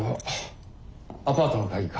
アパートの鍵か？